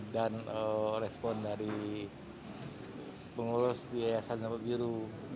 dan respon dari pengurus di yayasan nampak biru